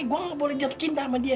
gue gak boleh jatuh cinta sama dia